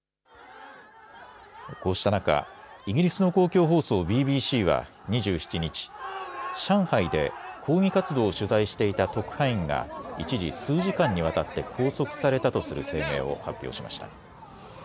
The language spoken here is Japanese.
こうした中、イギリスの公共放送ＢＢＣは２７日、上海で抗議活動を取材していた特派員が一時、数時間にわたって拘束されたとする声明を発表しました。